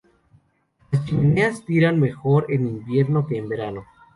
Las chimeneas tiran mejor en invierno que en verano.